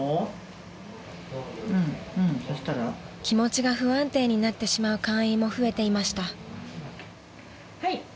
［気持ちが不安定になってしまう会員も増えていました］